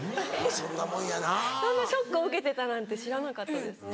そんなショックを受けてたなんて知らなかったです。